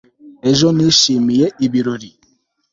ejo nishimiye ibirori